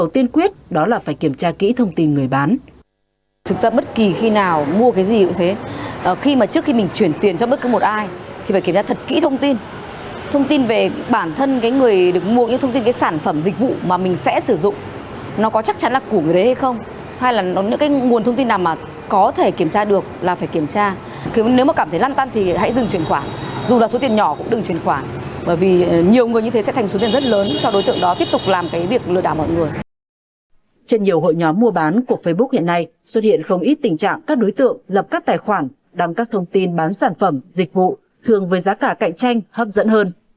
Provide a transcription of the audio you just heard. trên nhiều hội nhóm mua bán của facebook hiện nay xuất hiện không ít tình trạng các đối tượng lập các tài khoản đăng các thông tin bán sản phẩm dịch vụ thường với giá cả cạnh tranh hấp dẫn hơn